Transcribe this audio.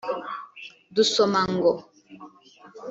Dusoma ngo